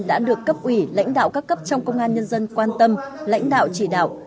đã được cấp ủy lãnh đạo các cấp trong công an nhân dân quan tâm lãnh đạo chỉ đạo